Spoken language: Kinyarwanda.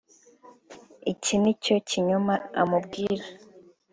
iki nicyo kinyoma amubwira